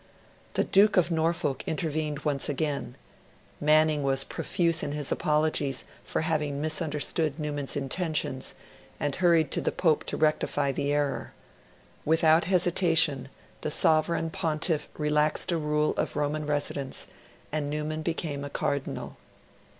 The Duke of Norfolk intervened once again; Manning was profuse in his apologies for having misunderstood Newman's intentions, and hurried to the Pope to rectify the error. Without hesitation, the Sovereign Pontiff relaxed the rule of Roman residence, and Newman became a Cardinal.